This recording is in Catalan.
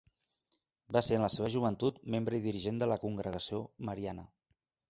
Va ser en la seva joventut membre i dirigent de la Congregació Mariana.